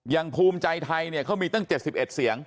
ภูมิใจไทยเนี่ยเขามีตั้ง๗๑เสียง